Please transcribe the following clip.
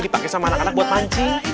dipakai sama anak anak buat pancing